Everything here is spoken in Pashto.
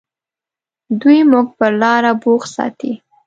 دوی موږ پر لاره بوخت ساتي.